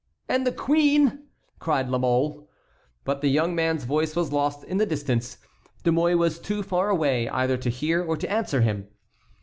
"And the queen?" cried La Mole. But the young man's voice was lost in the distance; De Mouy was too far away either to hear or to answer him.